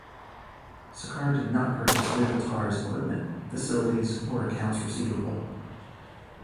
Sakar did not purchase Vivitar's equipment, facilities or accounts receivable.